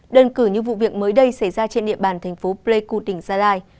đơn cử như vụ việc mới đây xảy ra trên địa bàn thành phố pleiku tỉnh gia lai